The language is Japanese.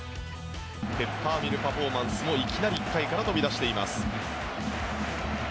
ペッパーミルパフォーマンスもいきなり１回から飛び出しています。